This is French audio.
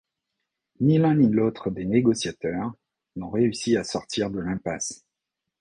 Ni l'un ni l'autre des négociateurs n'ont réussi à sortir de l'impasse.